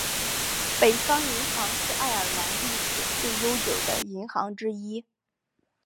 北方银行是爱尔兰历史最悠久的银行之一。